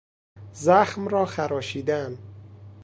زخم را خراشیدن